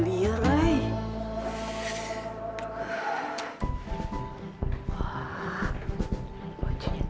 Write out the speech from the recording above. gbrom agar tradisi aku banyak